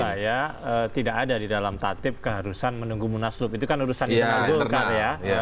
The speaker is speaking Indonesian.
menurut saya tidak ada di dalam tatip keharusan menunggu munaslup itu kan urusan internal golkar ya